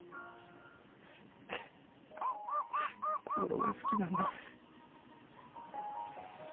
ははっ心が好きなんだ。